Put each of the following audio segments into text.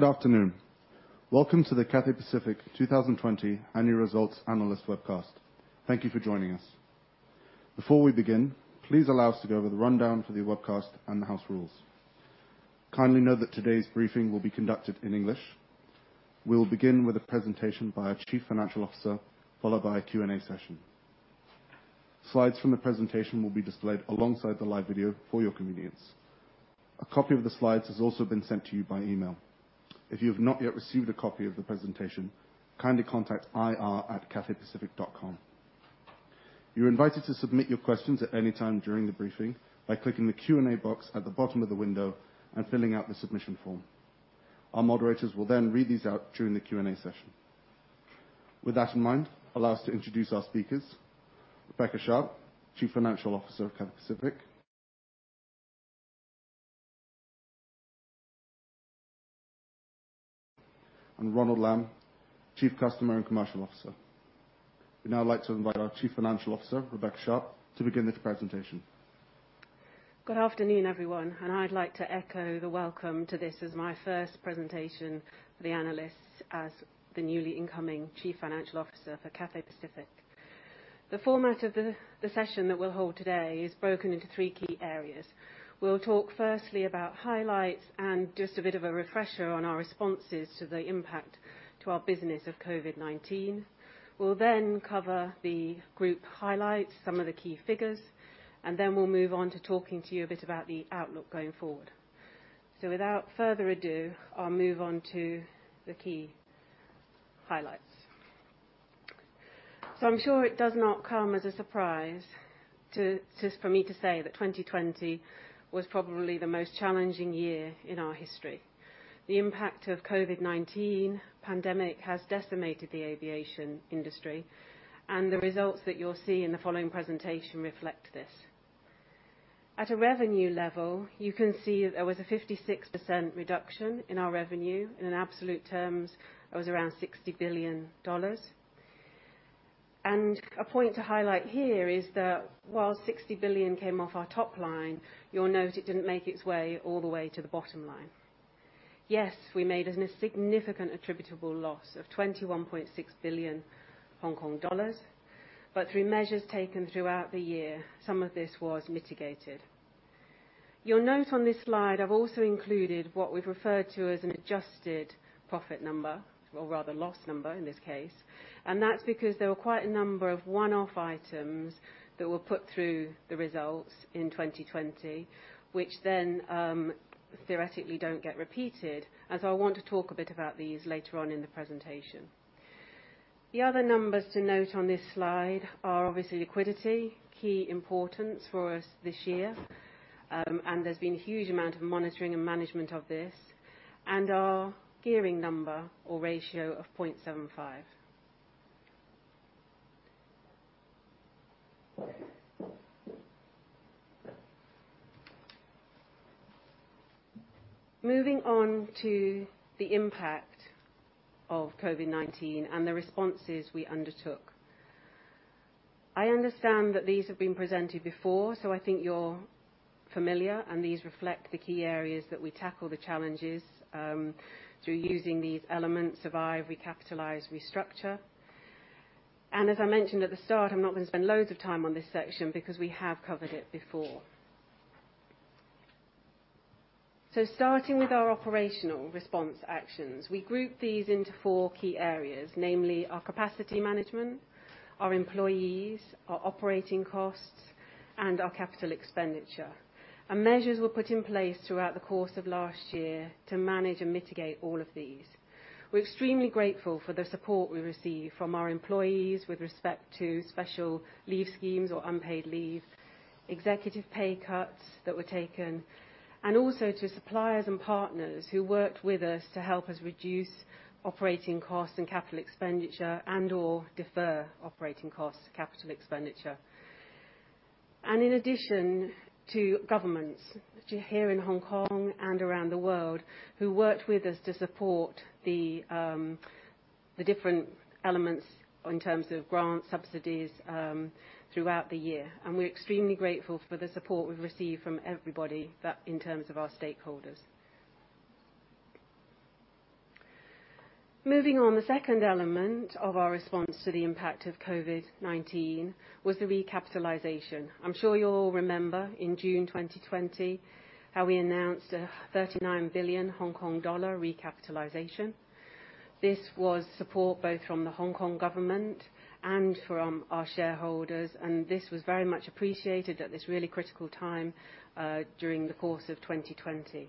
Good afternoon. Welcome to the Cathay Pacific 2020 Annual Results Analyst Webcast. Thank you for joining us. Before we begin, please allow us to go over the rundown for the webcast and the house rules. Kindly note that today's briefing will be conducted in English. We'll begin with a presentation by our Chief Financial Officer, followed by a Q&A session. Slides from the presentation will be displayed alongside the live video for your convenience. A copy of the slides has also been sent to you by email. If you have not yet received a copy of the presentation, kindly contact ir@cathaypacific.com. You're invited to submit your questions at any time during the briefing by clicking the Q&A box at the bottom of the window and filling out the submission form. Our moderators will then read these out during the Q&A session. With that in mind, allow us to introduce our speakers, Rebecca Sharpe, Chief Financial Officer of Cathay Pacific, and Ronald Lam, Chief Customer and Commercial Officer. We'd now like to invite our Chief Financial Officer, Rebecca Sharpe, to begin the presentation. Good afternoon, everyone, I'd like to echo the welcome to this as my first presentation for the analysts as the newly incoming Chief Financial Officer for Cathay Pacific. The format of the session that we'll hold today is broken into three key areas. We'll talk firstly about highlights and just a bit of a refresher on our responses to the impact to our business of COVID-19. We'll then cover the group highlights, some of the key figures, and then we'll move on to talking to you a bit about the outlook going forward. Without further ado, I'll move on to the key highlights. I'm sure it does not come as a surprise for me to say that 2020 was probably the most challenging year in our history. The impact of COVID-19 pandemic has decimated the aviation industry, the results that you'll see in the following presentation reflect this. At a revenue level, you can see that there was a 56% reduction in our revenue. In absolute terms, it was around 60 billion dollars. A point to highlight here is that while 60 billion came off our top line, you'll note it didn't make its way all the way to the bottom line. Yes, we made a significant attributable loss of 21.6 billion Hong Kong dollars, through measures taken throughout the year, some of this was mitigated. You'll note on this slide, I've also included what we've referred to as an adjusted profit number, or rather loss number in this case, and that's because there were quite a number of one-off items that were put through the results in 2020, which then theoretically don't get repeated. I want to talk a bit about these later on in the presentation. The other numbers to note on this slide are obviously liquidity, key importance for us this year, and there's been a huge amount of monitoring and management of this, and our gearing number or ratio of 0.75. Moving on to the impact of COVID-19 and the responses we undertook. I understand that these have been presented before. I think you're familiar, these reflect the key areas that we tackle the challenges through using these elements, Survive, Recapitalize, Restructure. As I mentioned at the start, I'm not going to spend loads of time on this section because we have covered it before. Starting with our operational response actions. We group these into four key areas, namely our capacity management, our employees, our operating costs, and our capital expenditure. Measures were put in place throughout the course of last year to manage and mitigate all of these. We're extremely grateful for the support we received from our employees with respect to special leave schemes or unpaid leave, executive pay cuts that were taken, and also to suppliers and partners who worked with us to help us reduce operating costs and capital expenditure and/or defer operating costs, capital expenditure. In addition to governments here in Hong Kong and around the world, who worked with us to support the different elements in terms of grants, subsidies, throughout the year. We're extremely grateful for the support we've received from everybody in terms of our stakeholders. Moving on, the second element of our response to the impact of COVID-19 was the recapitalization. I'm sure you all remember in June 2020 how we announced a 39 billion Hong Kong dollar recapitalization. This was support both from the Hong Kong government and from our shareholders. This was very much appreciated at this really critical time, during the course of 2020.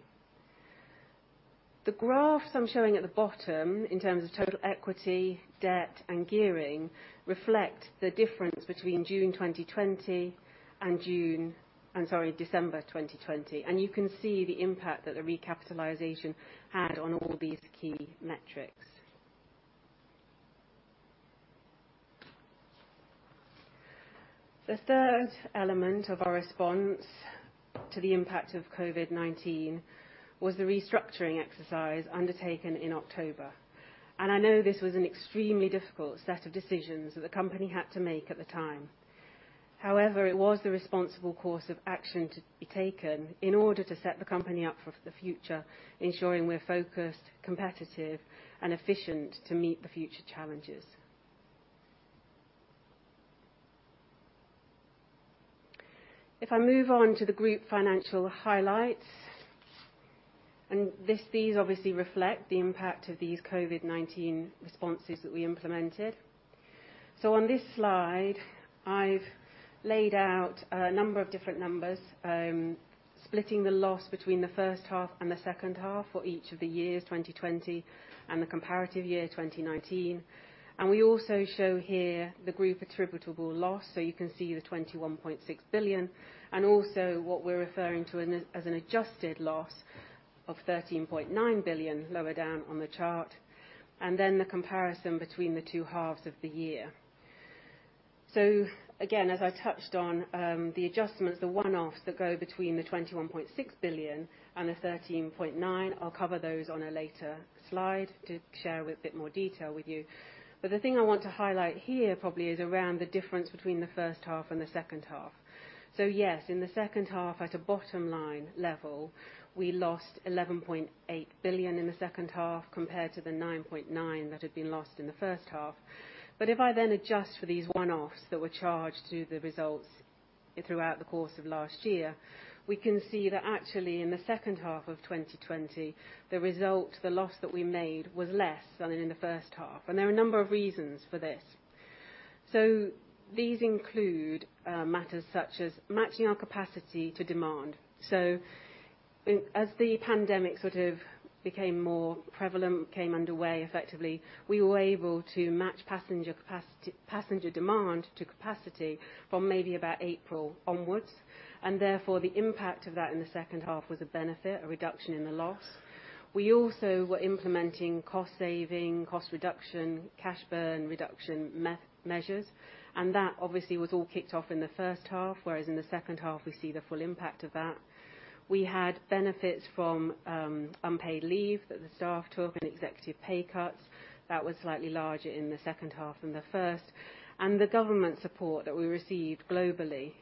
The graphs I'm showing at the bottom in terms of total equity, debt, and gearing reflect the difference between June 2020 and December 2020. You can see the impact that the recapitalization had on all these key metrics. The third element of our response to the impact of COVID-19 was the restructuring exercise undertaken in October. I know this was an extremely difficult set of decisions that the company had to make at the time. However, it was the responsible course of action to be taken in order to set the company up for the future, ensuring we're focused, competitive, and efficient to meet the future challenges. If I move on to the group financial highlights, and these obviously reflect the impact of these COVID-19 responses that we implemented. On this slide, I've laid out a number of different numbers, splitting the loss between the first half and the second half for each of the years 2020 and the comparative year, 2019. We also show here the group attributable loss. You can see the 21.6 billion, also what we're referring to as an adjusted loss of 13.9 billion lower down on the chart, the comparison between the two halves of the year. Again, as I touched on, the adjustments, the one-offs that go between the 21.6 billion and the 13.9 billion, I'll cover those on a later slide to share with a bit more detail with you. The thing I want to highlight here probably is around the difference between the first half and the second half. Yes, in the second half, at a bottom line level, we lost 11.8 billion in the second half compared to the 9.9 billion that had been lost in the first half. If I then adjust for these one-offs that were charged to the results throughout the course of last year, we can see that actually in the second half of 2020, the result, the loss that we made was less than in the first half. There are a number of reasons for this. These include matters such as matching our capacity to demand. As the pandemic sort of became more prevalent, came underway effectively, we were able to match passenger demand to capacity from maybe about April onwards, and therefore, the impact of that in the second half was a benefit, a reduction in the loss. We also were implementing cost saving, cost reduction, cash burn reduction measures, and that obviously was all kicked off in the first half, whereas in the second half, we see the full impact of that. We had benefits from unpaid leave that the staff took and executive pay cuts. That was slightly larger in the second half than the first. The government support that we received globally,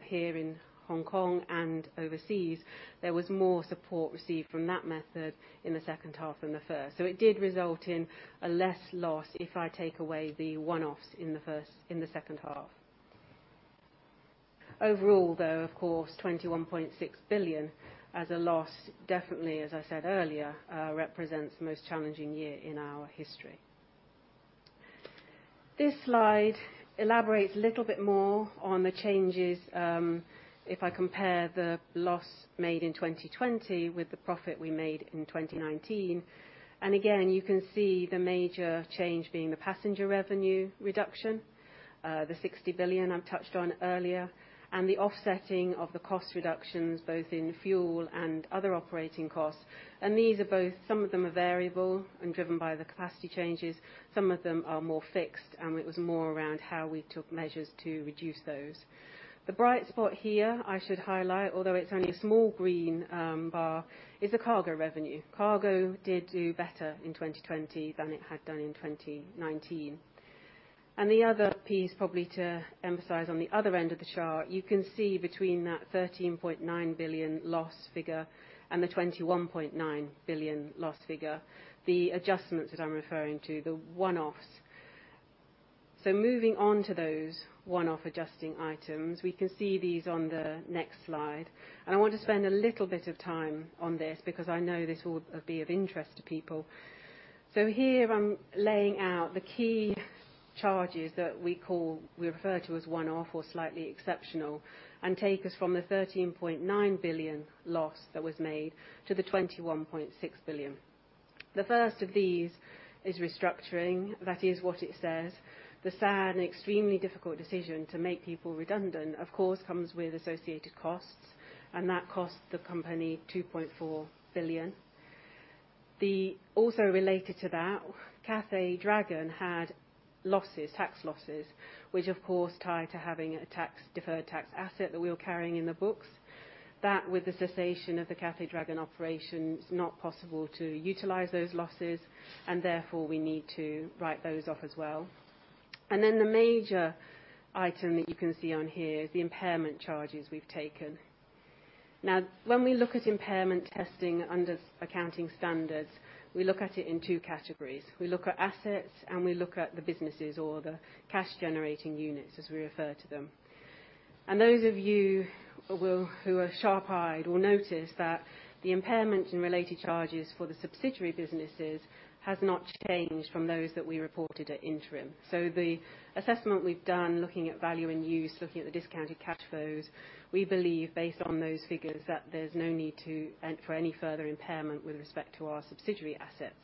here in Hong Kong and overseas, there was more support received from that method in the second half than the first. It did result in a less loss if I take away the one-offs in the second half. Overall, though, of course, 21.6 billion as a loss, definitely, as I said earlier, represents the most challenging year in our history. This slide elaborates a little bit more on the changes, if I compare the loss made in 2020 with the profit we made in 2019. Again, you can see the major change being the passenger revenue reduction, the 60 billion I've touched on earlier, and the offsetting of the cost reductions, both in fuel and other operating costs. These are both, some of them are variable and driven by the capacity changes, some of them are more fixed, and it was more around how we took measures to reduce those. The bright spot here, I should highlight, although it's only a small green bar, is the cargo revenue. Cargo did do better in 2020 than it had done in 2019. The other piece, probably to emphasize on the other end of the chart, you can see between that 13.9 billion loss figure and the 21.9 billion loss figure, the adjustments that I'm referring to, the one-offs. Moving on to those one-off adjusting items. We can see these on the next slide. I want to spend a little bit of time on this, because I know this will be of interest to people. Here I'm laying out the key charges that we refer to as one-off, or slightly exceptional, and take us from the 13.9 billion loss that was made to the 21.6 billion. The first of these is restructuring. That is what it says. The sad and extremely difficult decision to make people redundant, of course, comes with associated costs, and that cost the company 2.4 billion. Also related to that, Cathay Dragon had losses, tax losses, which of course tie to having a deferred tax asset that we were carrying in the books. That, with the cessation of the Cathay Dragon operation, it's not possible to utilize those losses, and therefore, we need to write those off as well. Then the major item that you can see on here is the impairment charges we've taken. Now, when we look at impairment testing under accounting standards, we look at it in two categories. We look at assets, and we look at the businesses or the cash-generating units, as we refer to them. Those of you who are sharp-eyed will notice that the impairment and related charges for the subsidiary businesses has not changed from those that we reported at interim. The assessment we've done looking at value in use, looking at the discounted cash flows, we believe, based on those figures, that there's no need for any further impairment with respect to our subsidiary assets.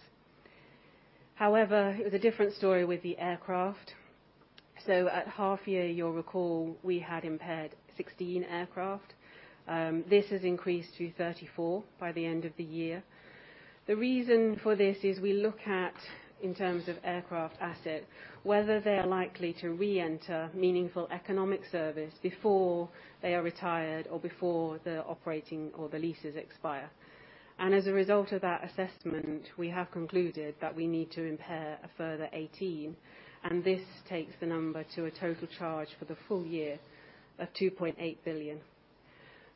However, it was a different story with the aircraft. At half year, you'll recall we had impaired 16 aircraft. This has increased to 34 by the end of the year. The reason for this is we look at, in terms of aircraft asset, whether they are likely to reenter meaningful economic service before they are retired or before the operating or the leases expire. As a result of that assessment, we have concluded that we need to impair a further 18, and this takes the number to a total charge for the full year of 2.8 billion.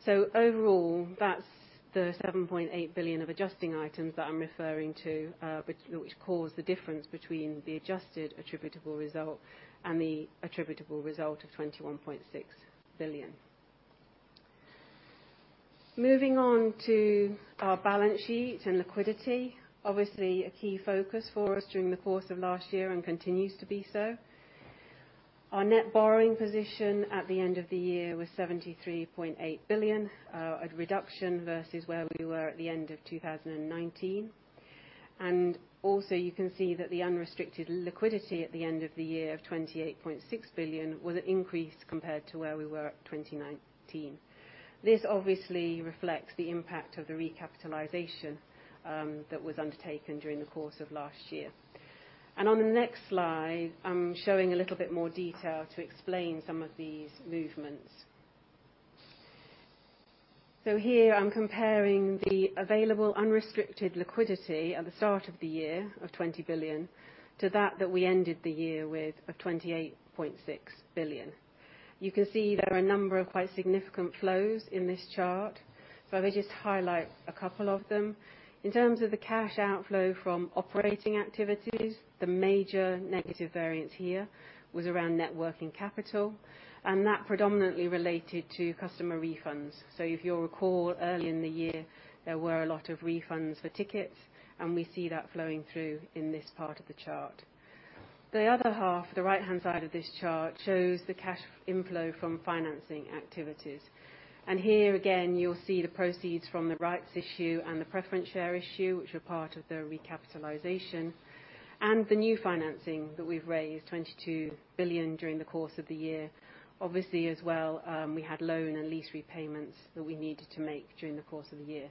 Overall, that's the 7.8 billion of adjusting items that I'm referring to, which cause the difference between the adjusted attributable result and the attributable result of 21.6 billion. Moving on to our balance sheet and liquidity. Obviously, a key focus for us during the course of last year and continues to be so. Our net borrowing position at the end of the year was 73.8 billion, a reduction versus where we were at the end of 2019. You can see that the unrestricted liquidity at the end of the year of 28.6 billion was an increase compared to where we were at 2019. This obviously reflects the impact of the recapitalization that was undertaken during the course of last year. On the next slide, I'm showing a little bit more detail to explain some of these movements. Here, I'm comparing the available unrestricted liquidity at the start of the year of 20 billion to that that we ended the year with of 28.6 billion. You can see there are a number of quite significant flows in this chart, so let me just highlight a couple of them. In terms of the cash outflow from operating activities, the major negative variance here was around net working capital, and that predominantly related to customer refunds. If you'll recall, early in the year, there were a lot of refunds for tickets, and we see that flowing through in this part of the chart. The other half, the right-hand side of this chart, shows the cash inflow from financing activities. Here again, you'll see the proceeds from the rights issue and the preference share issue, which were part of the recapitalization, and the new financing that we've raised, 22 billion, during the course of the year. Obviously, as well, we had loan and lease repayments that we needed to make during the course of the year.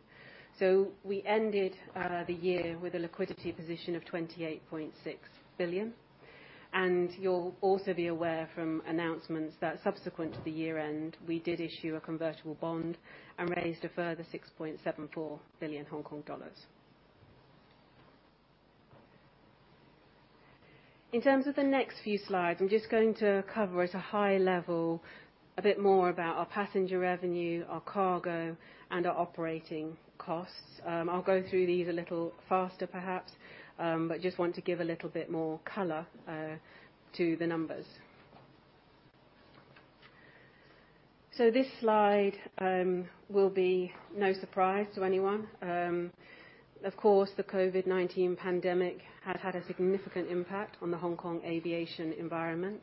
We ended the year with a liquidity position of 28.6 billion. You'll also be aware from announcements that subsequent to the year-end, we did issue a convertible bond and raised a further 6.74 billion Hong Kong dollars. In terms of the next few slides, I'm just going to cover at a high level a bit more about our passenger revenue, our cargo, and our operating costs. I'll go through these a little faster perhaps. Just want to give a little bit more color to the numbers. This slide will be no surprise to anyone. Of course, the COVID-19 pandemic has had a significant impact on the Hong Kong aviation environment,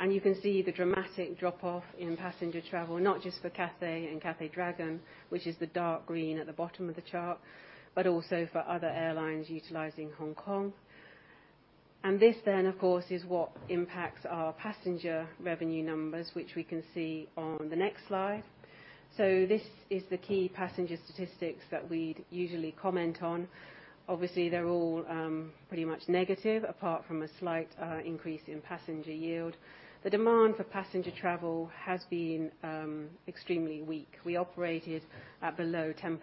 and you can see the dramatic drop-off in passenger travel, not just for Cathay and Cathay Dragon, which is the dark green at the bottom of the chart, but also for other airlines utilizing Hong Kong. This then, of course, is what impacts our passenger revenue numbers, which we can see on the next slide. This is the key passenger statistics that we'd usually comment on. Obviously, they're all pretty much negative, apart from a slight increase in passenger yield. The demand for passenger travel has been extremely weak. We operated at below 10%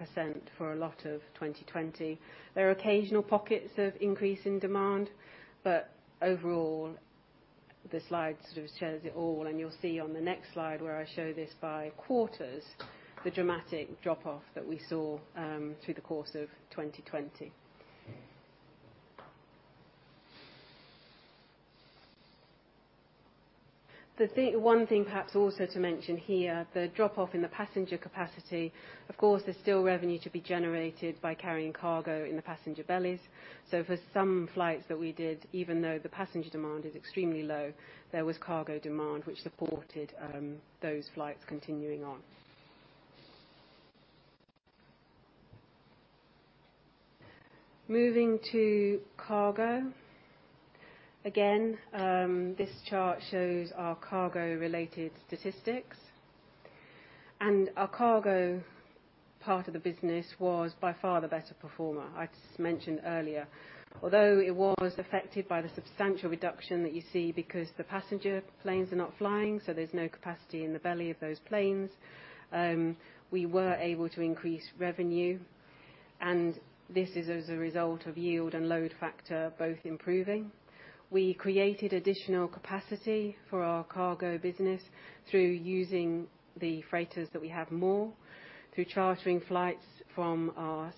for a lot of 2020. There are occasional pockets of increase in demand, but overall, the slide sort of shows it all, and you'll see on the next slide where I show this by quarters, the dramatic drop-off that we saw through the course of 2020. The one thing perhaps also to mention here, the drop-off in the passenger capacity, of course, there's still revenue to be generated by carrying cargo in the passenger bellies. For some flights that we did, even though the passenger demand is extremely low, there was cargo demand which supported those flights continuing on. Moving to cargo. Again, this chart shows our cargo-related statistics. Our cargo part of the business was by far the better performer. I just mentioned earlier. Although it was affected by the substantial reduction that you see because the passenger planes are not flying, there's no capacity in the belly of those planes, we were able to increase revenue. This is as a result of yield and load factor both improving. We created additional capacity for our cargo business through using the freighters that we have more, through chartering flights from our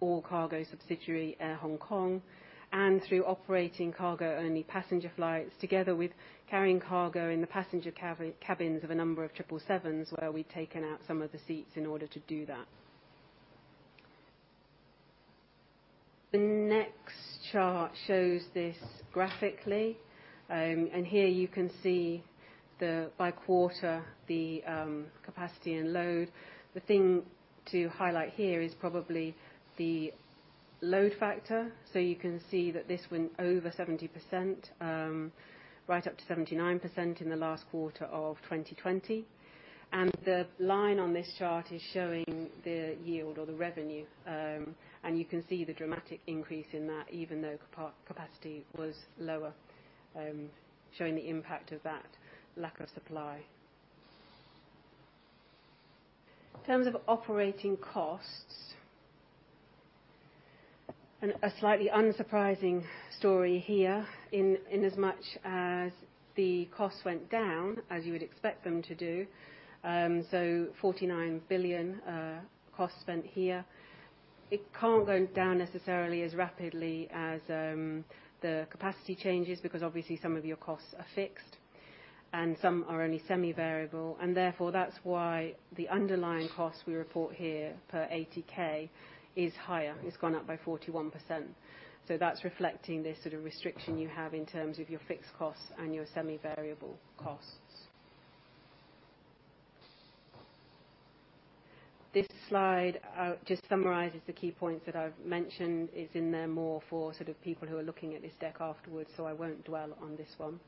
all-cargo subsidiary, Air Hong Kong, and through operating cargo-only passenger flights, together with carrying cargo in the passenger cabins of a number of 777s, where we've taken out some of the seats in order to do that. The next chart shows this graphically. Here you can see by quarter, the capacity and load. The thing to highlight here is probably the load factor. You can see that this went over 70%, right up to 79% in the last quarter of 2020. The line on this chart is showing the yield or the revenue, and you can see the dramatic increase in that, even though capacity was lower, showing the impact of that lack of supply. In terms of operating costs, a slightly unsurprising story here in as much as the costs went down as you would expect them to do. 49 billion costs spent here. It can't go down necessarily as rapidly as the capacity changes, because obviously some of your costs are fixed and some are only semi-variable, and therefore, that's why the underlying cost we report here per ATK is higher. It's gone up by 41%. That's reflecting the sort of restriction you have in terms of your fixed costs and your semi-variable costs. This slide just summarizes the key points that I've mentioned. It's in there more for sort of people who are looking at this deck afterwards, so I won't dwell on this one.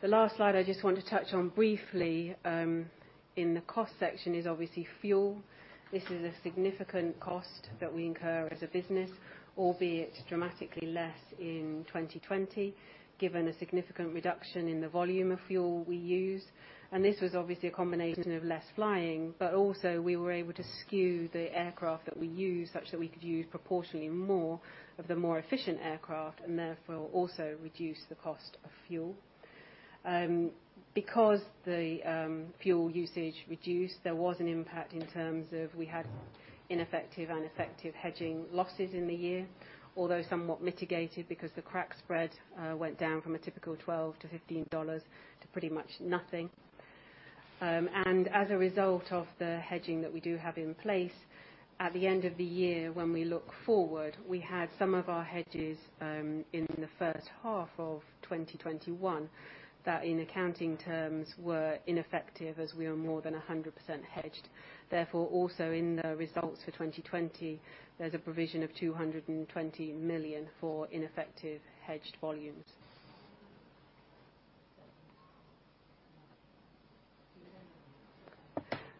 The last slide I just want to touch on briefly, in the cost section is obviously fuel. This is a significant cost that we incur as a business, albeit dramatically less in 2020, given a significant reduction in the volume of fuel we used. This was obviously a combination of less flying, but also we were able to skew the aircraft that we used such that we could use proportionally more of the more efficient aircraft, and therefore, also reduce the cost of fuel. Because the fuel usage reduced, there was an impact in terms of we had ineffective and effective hedging losses in the year, although somewhat mitigated because the crack spread went down from a typical 12-15 dollars to pretty much nothing. As a result of the hedging that we do have in place, at the end of the year, when we look forward, we had some of our hedges in the first half of 2021 that, in accounting terms, were ineffective as we are more than 100% hedged. Also in the results for 2020, there's a provision of 220 million for ineffective hedged volumes.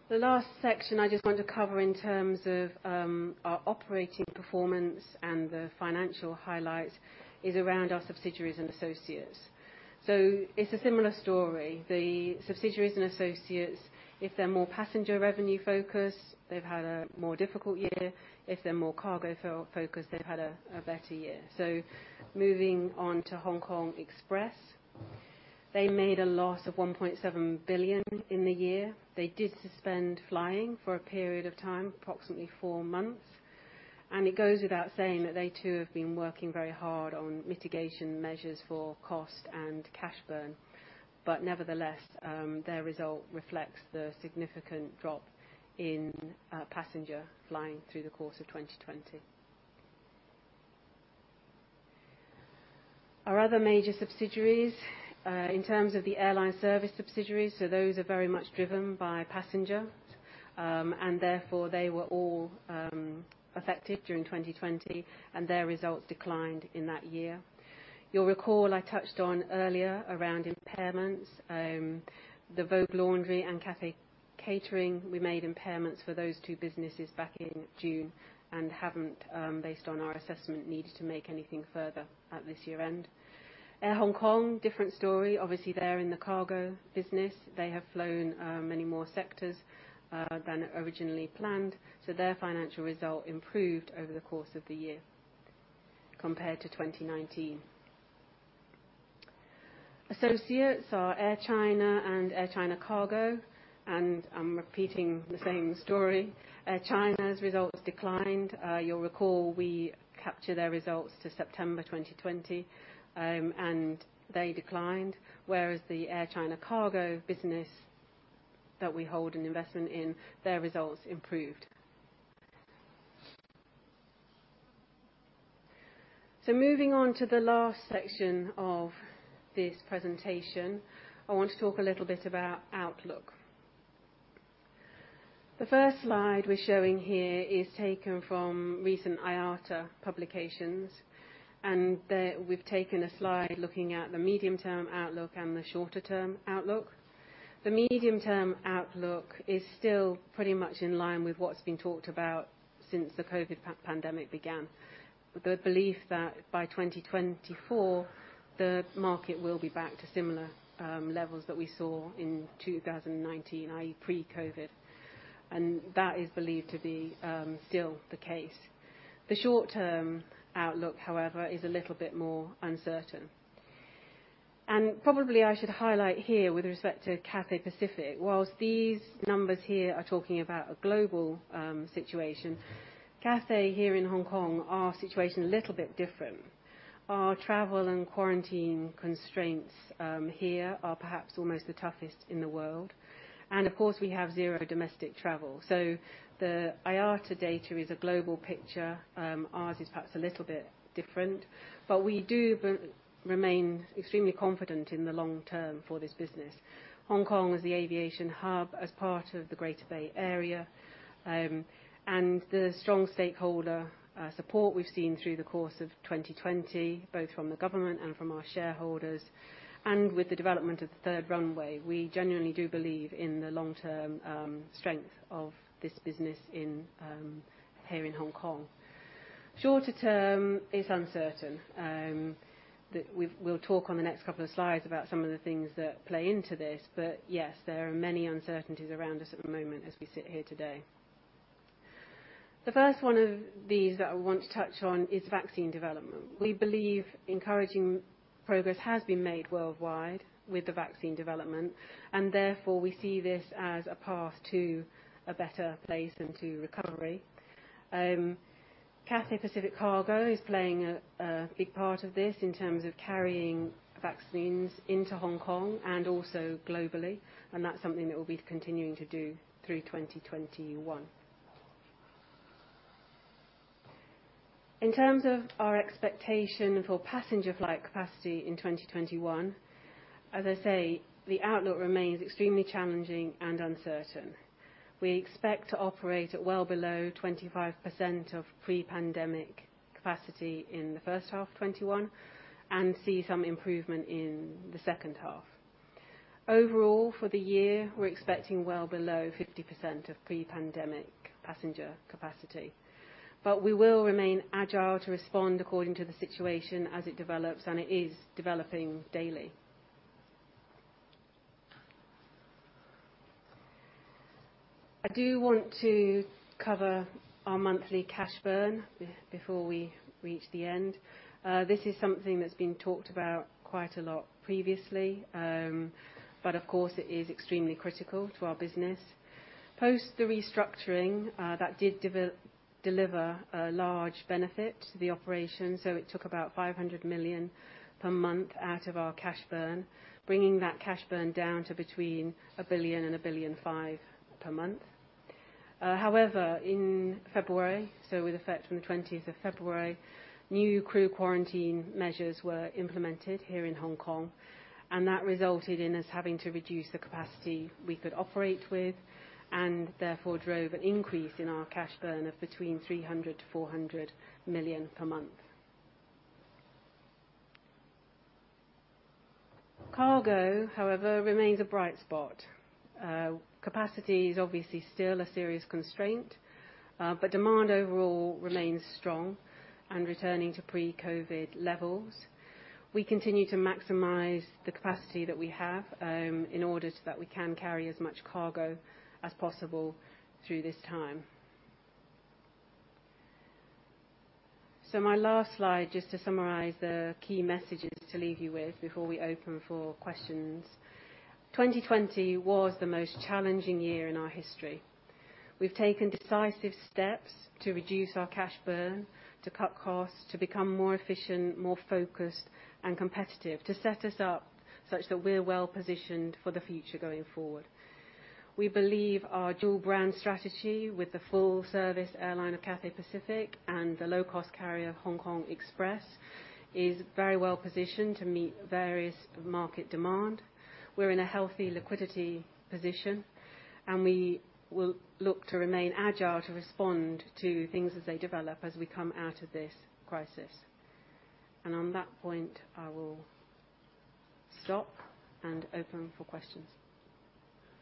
The last section I just want to cover in terms of our operating performance and the financial highlights is around our subsidiaries and associates. It's a similar story. The subsidiaries and associates, if they're more passenger revenue focused, they've had a more difficult year. If they're more cargo focused, they've had a better year. Moving on to Hong Kong Express, they made a loss of 1.7 billion in the year. They did suspend flying for a period of time, approximately four months. It goes without saying that they too have been working very hard on mitigation measures for cost and cash burn. Nevertheless, their result reflects the significant drop in passenger flying through the course of 2020. Our other major subsidiaries, in terms of the airline service subsidiaries, those are very much driven by passenger. Therefore, they were all affected during 2020, and their results declined in that year. You'll recall I touched on earlier around impairments, the Vogue Laundry and Cathay Catering, we made impairments for those two businesses back in June and haven't, based on our assessment, needed to make anything further at this year-end. Air Hong Kong, different story. Obviously, they're in the cargo business. They have flown many more sectors than originally planned, so their financial result improved over the course of the year compared to 2019. Associates are Air China and Air China Cargo, and I'm repeating the same story. Air China's results declined. You'll recall we capture their results to September 2020, and they declined, whereas the Air China Cargo business that we hold an investment in, their results improved. Moving on to the last section of this presentation, I want to talk a little bit about outlook. The first slide we're showing here is taken from recent IATA publications, and we've taken a slide looking at the medium-term outlook and the shorter-term outlook. The medium-term outlook is still pretty much in line with what's been talked about since the COVID pandemic began. The belief that by 2024, the market will be back to similar levels that we saw in 2019, i.e., pre-COVID. That is believed to be still the case. The short-term outlook, however, is a little bit more uncertain. Probably I should highlight here with respect to Cathay Pacific, whilst these numbers here are talking about a global situation, Cathay here in Hong Kong, our situation a little bit different. Our travel and quarantine constraints here are perhaps almost the toughest in the world. Of course, we have zero domestic travel. The IATA data is a global picture, ours is perhaps a little bit different, but we do remain extremely confident in the long term for this business. Hong Kong is the aviation hub as part of the Greater Bay Area, and the strong stakeholder support we've seen through the course of 2020, both from the government and from our shareholders, and with the development of the third runway, we genuinely do believe in the long-term strength of this business here in Hong Kong. Shorter term is uncertain. We'll talk on the next couple of slides about some of the things that play into this. Yes, there are many uncertainties around us at the moment as we sit here today. The first one of these that I want to touch on is vaccine development. We believe encouraging progress has been made worldwide with the vaccine development, and therefore, we see this as a path to a better place and to recovery. Cathay Pacific Cargo is playing a big part of this in terms of carrying vaccines into Hong Kong and also globally, and that's something that we'll be continuing to do through 2021. In terms of our expectation for passenger flight capacity in 2021, as I say, the outlook remains extremely challenging and uncertain. We expect to operate at well below 25% of pre-pandemic capacity in the first half 2021, and see some improvement in the second half. Overall, for the year, we're expecting well below 50% of pre-pandemic passenger capacity. We will remain agile to respond according to the situation as it develops and it is developing daily. I do want to cover our monthly cash burn before we reach the end. This is something that's been talked about quite a lot previously, but of course, it is extremely critical to our business. Post the restructuring, that did deliver a large benefit to the operation. It took about 500 million per month out of our cash burn, bringing that cash burn down to between 1 billion-1.5 billion per month. In February, so with effect from the 20th of February, new crew quarantine measures were implemented here in Hong Kong, and that resulted in us having to reduce the capacity we could operate with, and therefore drove an increase in our cash burn of between 300 million-400 million per month. Cargo, however, remains a bright spot. Capacity is obviously still a serious constraint, but demand overall remains strong and returning to pre-COVID-19 levels. We continue to maximize the capacity that we have in order so that we can carry as much cargo as possible through this time. My last slide, just to summarize the key messages to leave you with before we open for questions. 2020 was the most challenging year in our history. We've taken decisive steps to reduce our cash burn, to cut costs, to become more efficient, more focused, and competitive, to set us up such that we're well-positioned for the future going forward. We believe our dual brand strategy with the full-service airline of Cathay Pacific and the low-cost carrier of Hong Kong Express is very well positioned to meet various market demand. We're in a healthy liquidity position, and we will look to remain agile to respond to things as they develop, as we come out of this crisis. On that point, I will stop and open for questions.